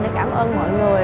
để cảm ơn mọi người